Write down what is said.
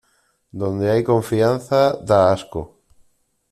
Donde hay confianza, da asco.